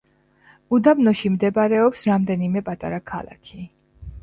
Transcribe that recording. უდაბნოში მდებარეობს რამდენიმე პატარა ქალაქი.